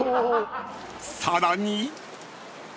［さらに］